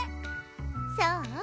そう？